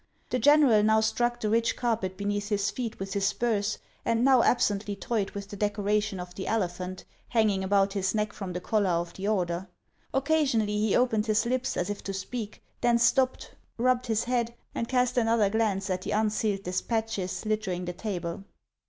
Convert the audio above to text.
The general now struck the rich carpet beneath his feet with his spurs, and now absently toyed with the decoration of the Elephant, hanging about his neck from the collar of the order. Occasionally he opened his lips as if to speak, then stopped, rubbed his head, and cast another glance at the unsealed de spatches littering the table.